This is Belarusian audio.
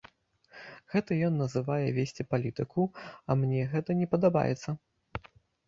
Гэта ён называе весці палітыку, а мне гэта не падабаецца.